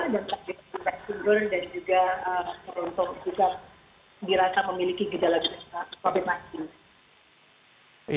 dan kbri jogjawa dan juga untuk juga dirasa memiliki gejala gejala covid sembilan belas